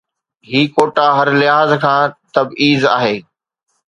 هي quota هر لحاظ کان تبعيض آهي.